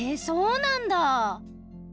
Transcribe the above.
そうなんだ！